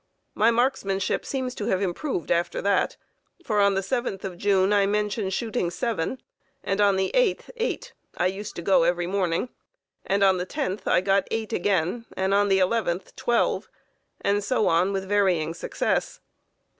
My marksmanship seems to have improved after that, for on the 7th of June I mention shooting 7, and on the 8th 8 (I used to go every morning), and on the 10th I got 8 again and on the 11th 12, and so on with varying success.